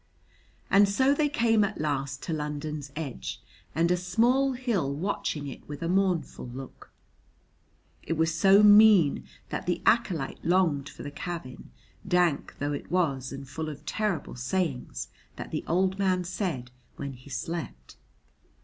And so they came at last to London's edge and a small hill watching it with a mournful look. It was so mean that the acolyte longed for the cavern, dank though it was and full of terrible sayings that the old man said when he slept.